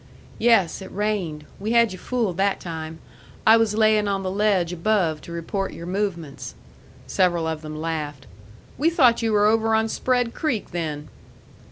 "Yes. It rained. We had you fooled that time. I was laying on the ledge above to report your movements." Several of them laughed. "We thought you were over on Spread Creek then."